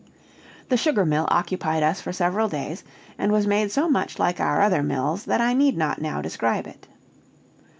The sugar mill occupied us for several days, and was made so much like our other mills that I need not now describe it.